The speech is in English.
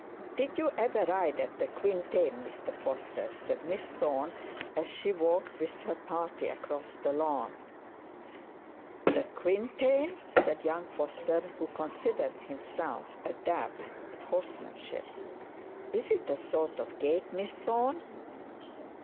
'Did you ever ride at the quintain, Mr Foster?' said Miss Thorne, as she walked with her party, across the lawn. 'The quintain?' said young Foster, who considered himself a dab at horsemanship. 'Is it a sort of gate, Miss Thorne?'